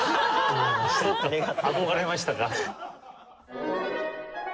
憧れましたか。